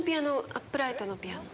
アップライトのピアノ。